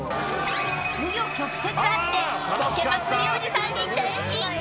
紆余曲折あってボケまくりおじさんに転身。